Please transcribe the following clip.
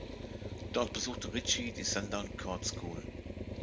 Dort besuchte Ritchie die Sandown Court School.